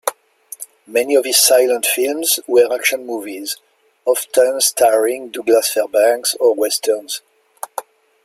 Many of his silent films were action movies, often starring Douglas Fairbanks, or Westerns.